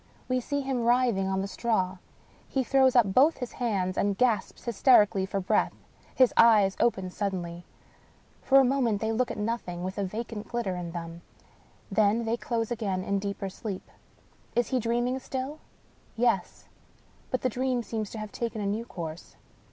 We see him writhing on the straw. He throws up both his hands and gasps hysterically for breath. His eyes open suddenly. For a moment they look at nothing, with a vacant glitter in them — ^then they close again in deeper sleep. Is he dreaming still ? Yes ; but the dream seems to have taken a new course.